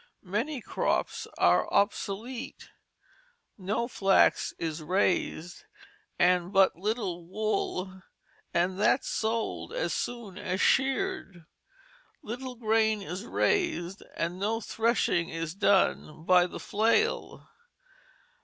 Many crops are obsolete; no flax is raised, and but little wool, and that sold as soon as sheared. Little grain is raised and no threshing is done by the flail.